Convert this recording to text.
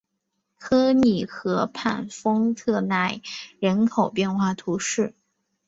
科尼河畔丰特奈人口变化图示